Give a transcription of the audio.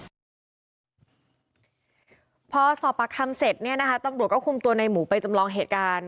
วันนี้พอศปรารคทัมเช็คนี่นะฮะต้องกลัวก็คุมตัวในหมู่ไปจำลองเหตุการณ์